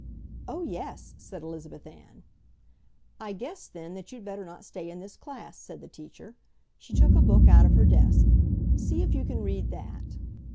"Oh, YES!" said Elizabeth Ann. "I guess, then, that you'd better not stay in this class," said the teacher. She took a book out of her desk. "See if you can read that."